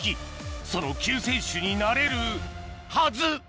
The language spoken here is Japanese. その救世主になれるはず！